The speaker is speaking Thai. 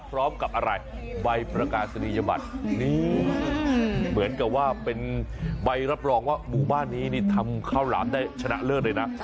พร้อมกับอะไรใบประกาศนียบัตรนี่เหมือนกับว่าเป็นใบรับรองว่าหมู่บ้านนี้นี่ทำข้าวหลามได้ชนะเลิศเลยนะ